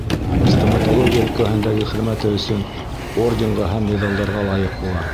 Стоматология өлкәһендәге хеҙмәте өсөн орденға һәм миҙалдарға лайыҡ була.